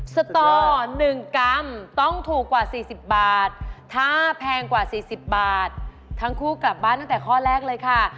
สตอ๑กรัมต้องถูกกว่า๔๐บาทถ้าแพงกว่า๔๐บาททั้งคู่กลับบ้านตั้งแต่ข้อแรกเลยค่ะ